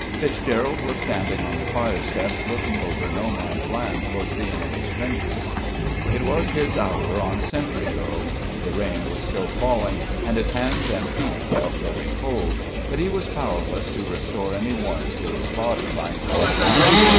Fitzgerald was standing on the firestep looking over No Man's Land towards the enemy's trenches. It was his hour on sentry go. The rain was still falling, and his hands and feet felt very cold, but he was powerless to restore any warmth to his body by moving about.